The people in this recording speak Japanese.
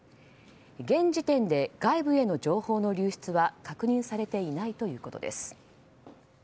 現時点で外部への情報の流出は確認されていないということです。